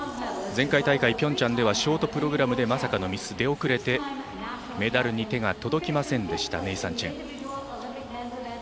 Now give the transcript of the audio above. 前回大会ピョンチャンではショートプログラムでまさかのミス、出遅れてメダルに手が届きませんでしたネイサン・チェン。